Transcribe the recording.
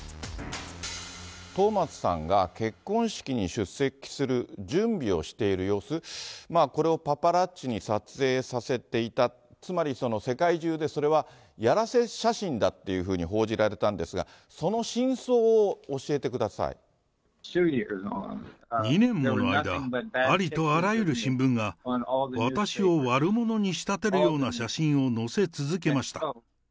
トーマスさんが結婚式に出席する準備をしている様子、これをパパラッチに撮影させていた、つまり世界中でそれは、やらせ写真だっていうふうに報じられたんですが、その真相を教え２年もの間、ありとあらゆる新聞が、私を悪者に仕立てるような写真を載せ続けました。